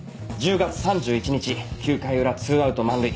１０月３１日９回裏２アウト満塁。